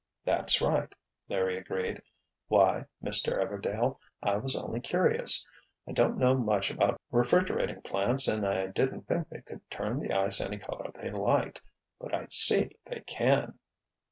"That's right," Larry agreed. "Why, Mr. Everdail, I was only curious. I don't know much about refrigerating plants and I didn't think they could turn the ice any color they liked—but I see they can."